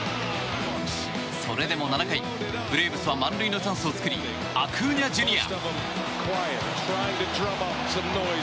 それでも７回、ブレーブスは満塁のチャンスを作りアクーニャＪｒ．。